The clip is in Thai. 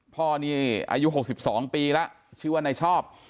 พ่อนี่อายุ๖๒ปีแล้วชื่อว่านายชอบ